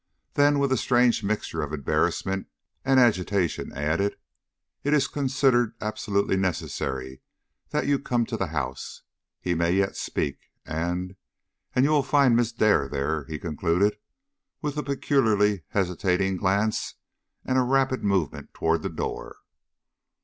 Then, with a strange mixture of embarrassment and agitation, added: "It is considered absolutely necessary that you come to the house. He may yet speak and and you will find Miss Dare there," he concluded, with a peculiarly hesitating glance and a rapid movement toward the door.